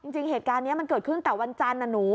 จริงเหตุการณ์นี้มันเกิดขึ้นแต่วันจันทร์นะหนู